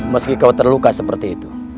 meski kau terluka seperti itu